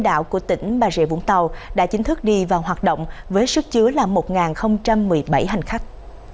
tàu cao tốc của tỉnh bà rệ vũng tàu đã chính thức đi và hoạt động với sức chứa là một một mươi bảy hành khách